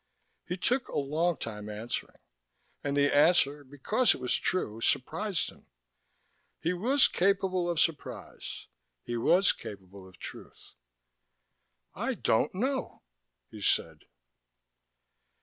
He took a long time answering, and the answer, because it was true, surprised him. He was capable of surprise, he was capable of truth. "I don't know," he said.